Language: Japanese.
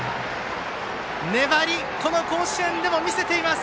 粘り、この甲子園でも見せています。